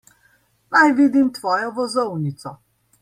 Naj vidim tvojo vozovnico.